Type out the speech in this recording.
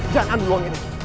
jangan ambil uang ini